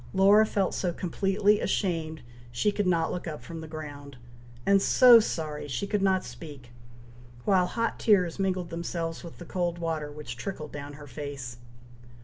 Laura felt so completely ashamed she could not look up from the ground, and so sorry she could not speak, while hot tears mingled themselves with the cold water which trickled down her face.